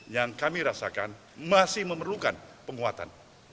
yang kami rasakan masih memerlukan penguatan